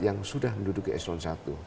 yang sudah menduduki echelon satu